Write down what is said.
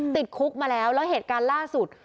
ติดคุกมาแล้วแล้วเหตุการณ์ล่าสุด